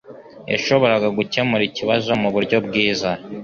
yashoboraga gukemura ikibazo muburyo bwiza.